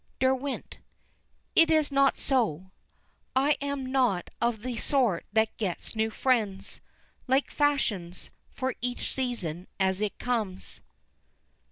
Derwent: "It is not so. I am not of the sort that gets new friends Like fashions for each season as it comes."